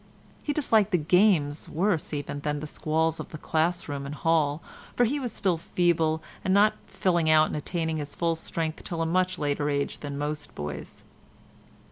He disliked the games worse even than the squalls of the class room and hall, for he was still feeble, not filling out and attaining his full strength till a much later age than most boys.